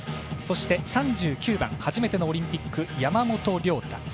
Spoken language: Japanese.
そして、３９番初めてのオリンピック山本涼太。